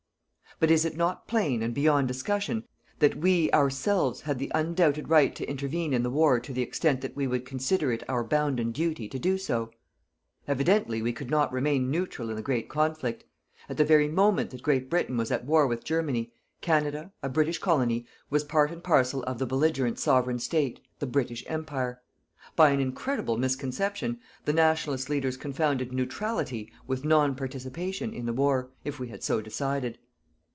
But is it not plain and beyond discussion that we, ourselves, had the undoubted right to intervene in the war to the extent that we would consider it our bounden duty to do so? Evidently we could not remain neutral in the great conflict. At the very moment that Great Britain was at war with Germany, Canada, a British Colony, was part and parcel of the belligerent Sovereign State, the British Empire. By an incredible misconception, the Nationalist leaders confounded neutrality with non participation in the war, if we had so decided.